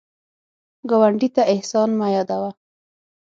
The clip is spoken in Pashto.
ګاونډي ته احسان مه یادوه